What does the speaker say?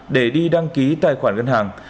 để đi đăng ký tài khoản ngân hàng